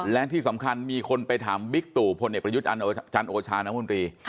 และที่สำคัญมีคนไปถามบิ๊กตู่พลเอกประยุทธ์จันโอชาน้ำมนตรี